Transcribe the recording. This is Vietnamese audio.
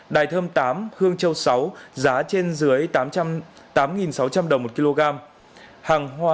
đài thơm tám hương châu sáu giá trên dưới tám sáu trăm linh đồng một kg